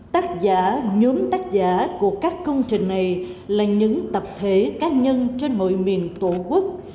tác giả nhóm tác giả của các công trình này là những tập thể cá nhân trên mọi miền tổ quốc